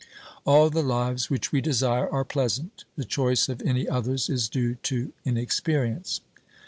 All the lives which we desire are pleasant; the choice of any others is due to inexperience.